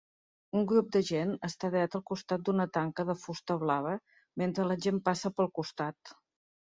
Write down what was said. Un grup de gent està dreta al costat d'una tanca de fusta blava mentre la gent passa pel costat